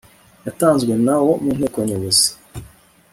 yatanzwe na wo mu nteko nyobozi